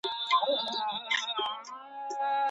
د لاس لیکنه د دې پرمختګ د دوام تضمین دی.